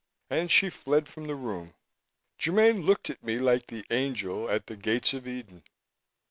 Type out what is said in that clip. And she fled from the room. Germaine looked at me like the angel at the Gates of Eden.